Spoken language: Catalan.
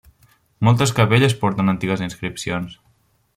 Moltes capelles porten antigues inscripcions.